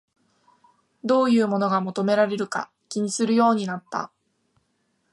どういうものが求められるか気にするようになった